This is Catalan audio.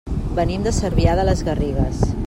Venim de Cervià de les Garrigues.